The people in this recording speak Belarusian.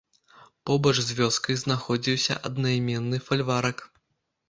Побач з вёскай знаходзіўся аднайменны фальварак.